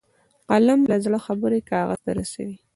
قلم له زړه خبرې کاغذ ته رسوي